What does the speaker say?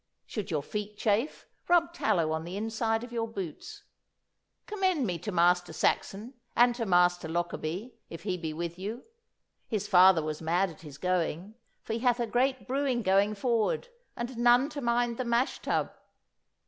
Should your feet chafe, rub tallow on the inside of your boots. Commend me to Master Saxon and to Master Lockarby, if he be with you. His father was mad at his going, for he hath a great brewing going forward, and none to mind the mash tub.